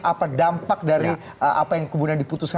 apa dampak dari apa yang kemudian diputuskan